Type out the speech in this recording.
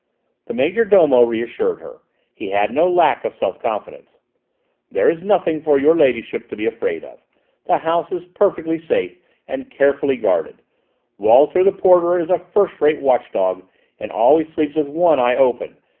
The major domo reassured her: he had no lack of self confidence. "There is nothing for your ladyship to be afraid of; the house is perfectly safe, and carefully guarded. Walter, the porter, is a first rate watch dog and always sleeps with one eye open.